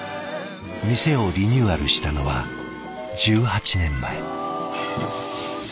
店をリニューアルしたのは１８年前。